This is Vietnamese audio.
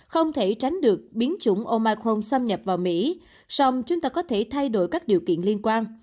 không thể tránh được biến chủng omicron xâm nhập vào mỹ xong chúng ta có thể thay đổi các điều kiện liên quan